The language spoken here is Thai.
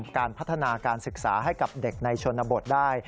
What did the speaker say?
การพัฒนาการศึกษาให้กับเด็กในชนบทได้